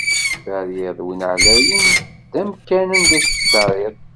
Terriḍ win εlayen d amkan anda i tettdariḍ.